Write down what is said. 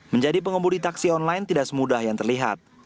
menjadi pengemudi taksi online tidak semudah yang terlihat